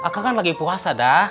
kakak kan lagi puasa dah